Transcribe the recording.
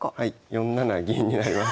４七銀になります。